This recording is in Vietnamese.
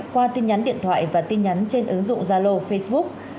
qua tin nhắn điện thoại và tin nhắn trên ứng dụng zalo facebook